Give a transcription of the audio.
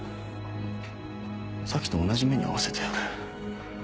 咲と同じ目に遭わせてやる。